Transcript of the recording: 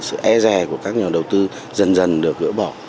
sự e rè của các nhà đầu tư dần dần được gỡ bỏ